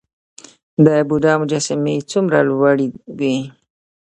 د بودا مجسمې څومره لوړې وې؟